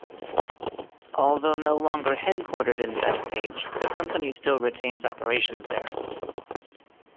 Although no longer headquartered in Bethpage, the company still retains operations there.